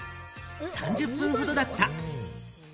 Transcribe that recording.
３０分ほどだった。